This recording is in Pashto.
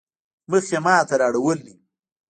مخ يې ما ته رااړولی وو.